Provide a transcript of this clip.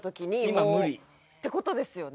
今無理。って事ですよね。